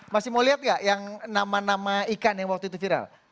masih mau lihat nggak yang nama nama ikan yang waktu itu viral